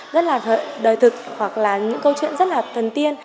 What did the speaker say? rất là đời thực hoặc là những câu chuyện rất là thần tiên